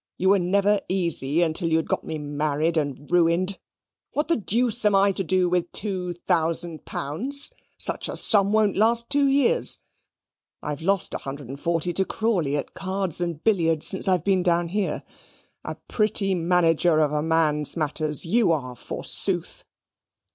You were never easy until you had got me married and ruined. What the deuce am I to do with two thousand pounds? Such a sum won't last two years. I've lost a hundred and forty to Crawley at cards and billiards since I've been down here. A pretty manager of a man's matters YOU are, forsooth."